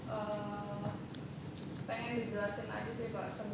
oke dari media mana